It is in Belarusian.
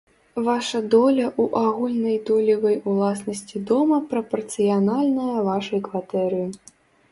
Ваша доля ў агульнай долевай уласнасці дома прапарцыянальная вашай кватэры.